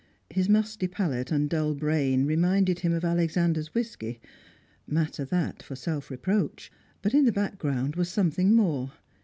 His musty palate and dull brain reminded him of Alexander's whisky; matter, that, for self reproach; but in the background was something more.